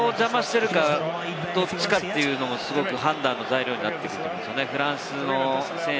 外側を邪魔しているか、どっちかというのもすごく判断の材料になってくるんですよね。